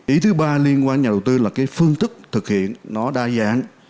ý thứ ba liên quan nhà đầu tư là cái phương thức thực hiện nó đa dạng